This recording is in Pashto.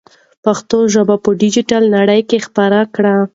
پښتو ژبه په ډیجیټل نړۍ کې خپره کړئ.